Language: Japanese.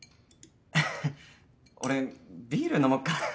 俺ビール飲もっかな。